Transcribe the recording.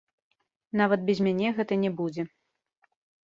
Нават без мяне гэта не будзе.